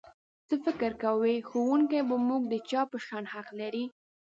څه فکر کوئ ښوونکی په موږ د چا په شان حق لري؟